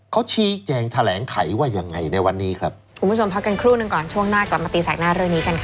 เขาชี้แจงแถลงไขว่ายังไงในวันนี้ครับคุณผู้ชมพักกันครู่หนึ่งก่อนช่วงหน้ากลับมาตีแสกหน้าเรื่องนี้กันค่ะ